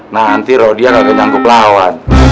nanti roh dia gak kejangkuk lawan